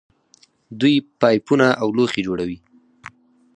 دوی پایپونه او لوښي جوړوي.